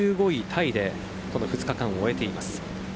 タイで２日間を終えています。